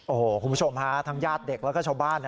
โอ้โฮคุณผู้ชมฮะทำญาติเด็กและชาวบ้าน